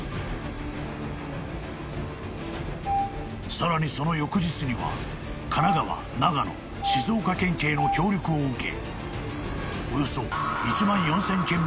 ［さらにその翌日には神奈川長野静岡県警の協力を受け］